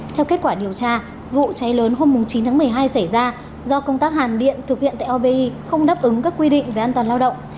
theo kết quả điều tra vụ cháy lớn hôm chín tháng một mươi hai xảy ra do công tác hàn điện thực hiện tại obi không đáp ứng các quy định về an toàn lao động